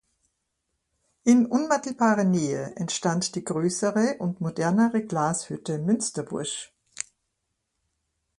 In unmittelbarer Nähe entstand die größere und modernere Glashütte Münsterbusch.